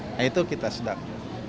nah itu kita sedang